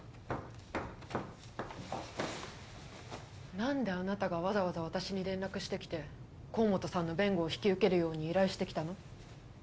なんであなたがわざわざ私に連絡してきて河本さんの弁護を引き受けるように依頼してきたの？